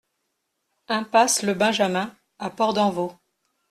Impasse le Benjamin à Port-d'Envaux